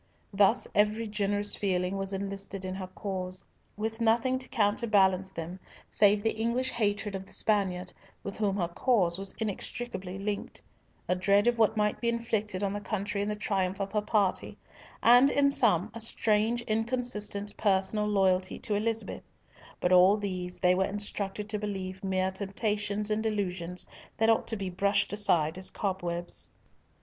Thus every generous feeling was enlisted in her cause, with nothing to counterbalance them save the English hatred of the Spaniard, with whom her cause was inextricably linked; a dread of what might be inflicted on the country in the triumph of her party; and in some, a strange inconsistent personal loyalty to Elizabeth; but all these they were instructed to believe mere temptations and delusions that ought to be brushed aside as cobwebs.